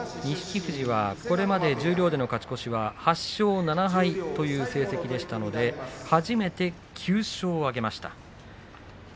富士はこれまで十両での勝ち越しは８勝７敗という成績でしたので初めて９勝を挙げています。